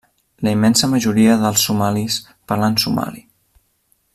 La immensa majoria dels somalis parlen somali.